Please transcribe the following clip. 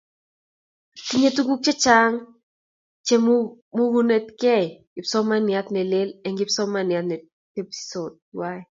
tinyei tuguk che chang' che mukunetgei kipsomananiat ne lel eng' kipsomaniat ne tebisot tuai.